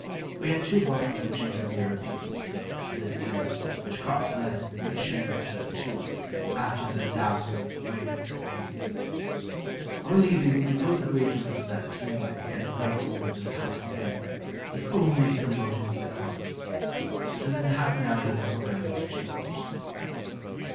We had two bottles of ginger beer apiece, with this dinner, which cost less than three shillings for the two, after the dapper little waitress had been feed. On leaving, we both agreed to visit that cleanly and well ordered little house again, if only from motives of economy; but within half an hour that programme was changed.